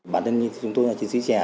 bản thân như chúng tôi là chiến sĩ trẻ